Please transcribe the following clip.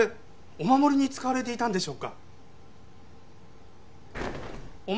お守りに使われていたんでしょうか？